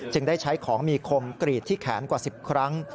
ได้ใช้ของมีคมกรีดที่แขนกว่า๑๐ครั้ง